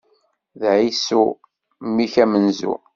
D Ɛisu! Mmi-k amenzu.